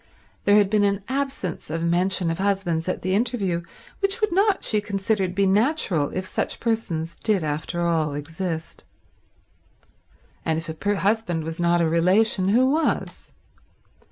There had been an absence of mention of husbands at the interview which would not, she considered, be natural if such persons did after all exist. And if a husband was not a relation, who was?